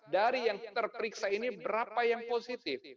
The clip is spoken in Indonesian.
dari yang terperiksa ini berapa yang positif